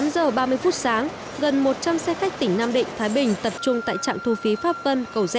tám giờ ba mươi phút sáng gần một trăm linh xe khách tỉnh nam định thái bình tập trung tại trạm thu phí pháp vân cầu rẽ